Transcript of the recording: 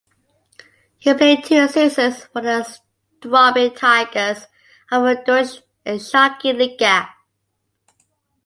He played two seasons for the Straubing Tigers of the Deutsche Eishockey Liga.